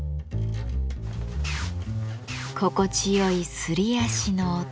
心地よいすり足の音。